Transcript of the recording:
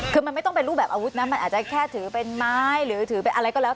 คือมันไม่ต้องเป็นรูปแบบอาวุธนะมันอาจจะแค่ถือเป็นไม้หรือถือเป็นอะไรก็แล้ว